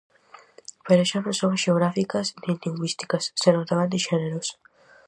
Pero xa non son xeográficas, nin lingüísticas, senón tamén de xéneros.